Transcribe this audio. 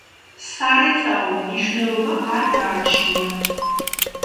სარეწაო მნიშვნელობა არ გააჩნია.